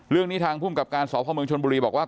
เรื่องนี้ทางผู้กลับการศอบครอบคริวชนบุรีบอกว่า